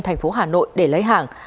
thành phố hà nội để lấy hàng